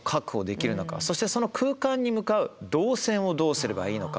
そしてその空間に向かう動線をどうすればいいのか。